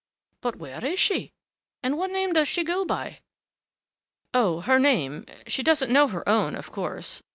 But where is she? And what name does she go by?" "Oh, her name she doesn't know her own, of course."